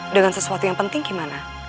dengan sesuatu yang penting gimana